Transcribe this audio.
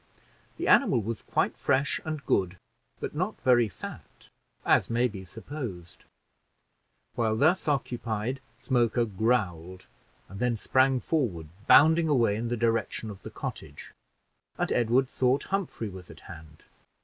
The animal was quite fresh and good, but not very fat, as may be supposed. While thus occupied, Smoker growled and then sprung forward, bounding away in the direction of the cottage, and Edward thought Humphrey was at hand.